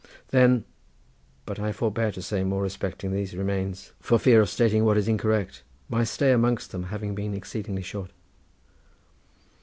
Then but I forbear to say more respecting these remains for fear of stating what is incorrect, my stay amongst them having been exceedingly short.